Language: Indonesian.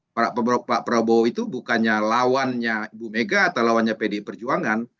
pak prabowo itu bukannya lawannya ibu mega atau lawannya pdi perjuangan